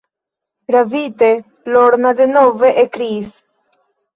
Ravite, Lorna denove ekkriis: